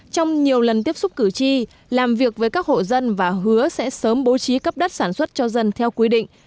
trong nhiều lần tiếp xúc cử tri làm việc với các hộ dân và hứa sẽ sớm bố trí cấp đất sản xuất cho dân theo quy định